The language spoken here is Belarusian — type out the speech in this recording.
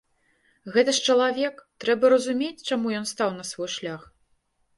Гэта ж чалавек, трэба разумець, чаму ён стаў на свой шлях.